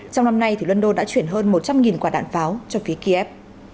trong năm nay london đã chuyển hơn một trăm linh nghìn quả đạn pháo cho phía kiev